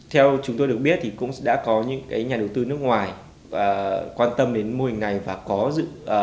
theo chúng tôi được biết thì cũng đã có những nhà đầu tư nước ngoài quan tâm đến mô hình này và có dự